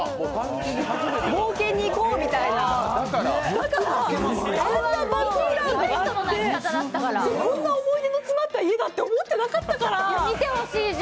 冒険に行こうみたいな、だからこんな思い出が詰まった家だと思ってなかったから！